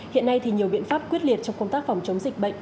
hiện nay thì nhiều biện pháp quyết liệt trong công tác phòng chống dịch bệnh